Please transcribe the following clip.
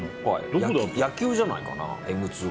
野球じゃないかな？